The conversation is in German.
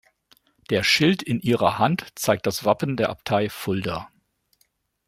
Der Schild in ihrer Hand zeigt das Wappen der Abtei Fulda.